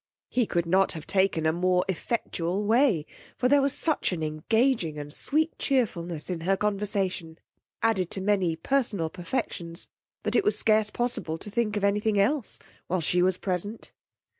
He could not have taken a more effectual way; for there was such an engaging and sweet cheerfulness in her conversation, added to many personal perfections, that it was scarce possible to think of any thing else while she was present.